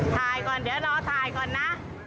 ถ่ายก่อนเดี๋ยวรอถ่ายก่อนนะ